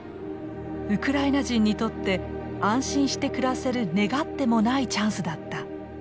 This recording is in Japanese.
ウクライナ人にとって安心して暮らせる願ってもないチャンスだった。